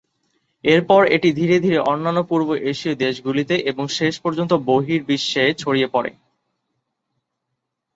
এরপর এটি ধীরে ধীরে অন্যান্য পূর্ব এশীয় দেশগুলিতে এবং শেষ পর্যন্ত বহির্বিশ্বে ছড়িয়ে পড়ে।